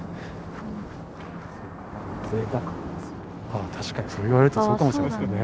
ああ確かにそう言われるとそうかもしれませんね。